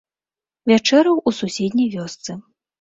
Вячэраў у суседняй вёсцы.